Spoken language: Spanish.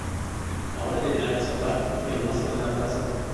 Ahora deberán escapar, pero no será nada fácil.